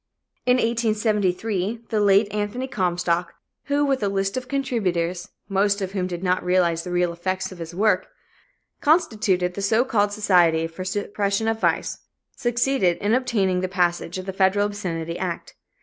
In 1873, the late Anthony Comstock, who with a list of contributors, most of whom did not realize the real effects of his work, constituted the so called Society for the Suppression of Vice, succeeded in obtaining the passage of the federal obscenity act.